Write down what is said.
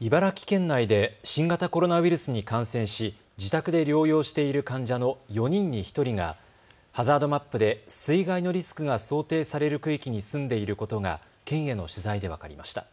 茨城県内で新型コロナウイルスに感染し自宅で療養している患者の４人に１人がハザードマップで水害のリスクが想定される区域に住んでいることが県への取材で分かりました。